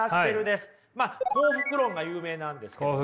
「幸福論」が有名なんですけどね。